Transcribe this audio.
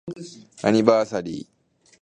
アニバーサリー